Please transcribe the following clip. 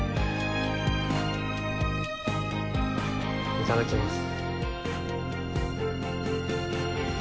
いただきます。